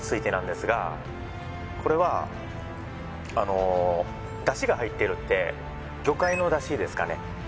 これはあの出汁が入ってるって魚介の出汁ですかね？